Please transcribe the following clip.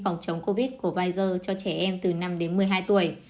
phòng chống covid của pver cho trẻ em từ năm đến một mươi hai tuổi